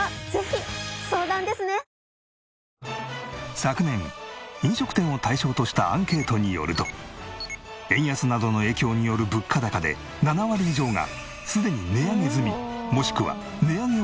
昨年飲食店を対象としたアンケートによると円安などの影響による物価高で７割以上がすでに値上げ済みもしくは値上げを検討中と回答。